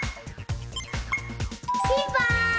ピンポーン！